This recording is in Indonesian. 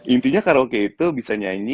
intinya karaoke itu bisa nyanyi